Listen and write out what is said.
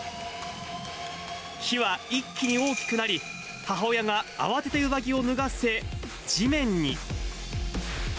火は一気に大きくなり、母親が慌てて上着を脱がせ、地面に。